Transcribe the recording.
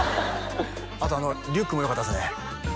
あとあのリュックもよかったっすね